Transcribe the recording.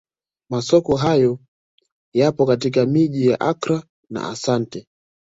Masoko hayo yapo katika miji ya Accra na Asante